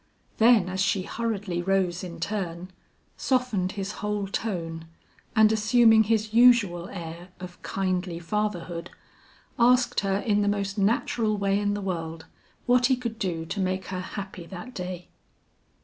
Then as she hurriedly rose in turn, softened his whole tone, and assuming his usual air of kindly fatherhood, asked her in the most natural way in the world, what he could do to make her happy that day.